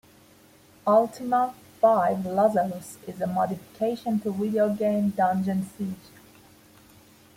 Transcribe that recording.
"Ultima Five: Lazarus" is a modification to video game "Dungeon Siege".